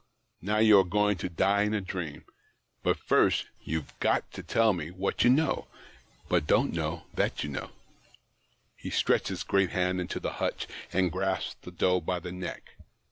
Now you arc going to die in a dream, but first THE OCTAVE OF CLAUDIUS. 59 you have got to tell me what you know, but don't know that you know." He stretched his great hand into the hutch, and grasped the doe by the neck.